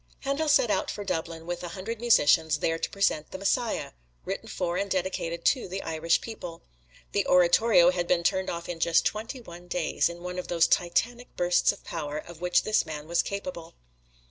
Handel set out for Dublin with a hundred musicians, there to present the "Messiah," written for and dedicated to the Irish people. The oratorio had been turned off in just twenty one days, in one of those titanic bursts of power, of which this man was capable.